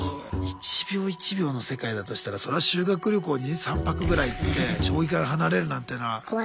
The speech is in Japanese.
一秒一秒の世界だとしたらそりゃ修学旅行に３泊ぐらい行って将棋から離れるなんていうのは。